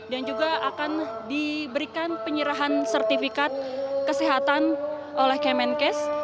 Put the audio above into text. dan juga akan diberikan penyerahan sertifikat kesehatan oleh kemenkes